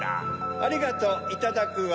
ありがとういただくわ。